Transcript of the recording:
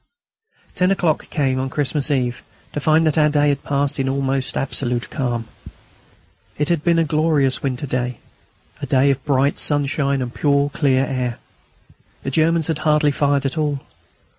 Ten o'clock came on Christmas Eve to find that our day had passed in almost absolute calm. It had been a glorious winter day, a day of bright sunshine and pure clear air. The Germans had hardly fired at all.